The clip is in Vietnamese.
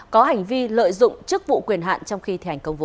có hành vi lợi dụng chức vụ quyền hạn trong khi thi hành công vụ